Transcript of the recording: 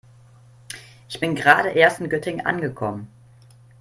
Ich bin gerade erst in Göttingen angekommen